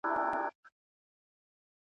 په لاس لیکل د رسمي اسنادو لپاره مهم دي.